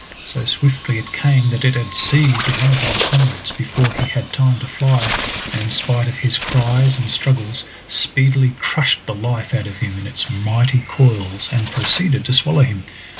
So swiftly it came that it had seized one of my comrades before he had time to fly, and in spite of his cries and struggles speedily crushed the life out of him in its mighty coils and proceeded to swallow him.